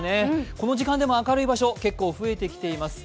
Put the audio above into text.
この時間でも明るい場所結構増えてきています。